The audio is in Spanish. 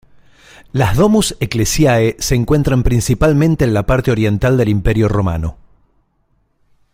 Las "domus ecclesiae" se encuentran principalmente en la parte oriental del Imperio romano.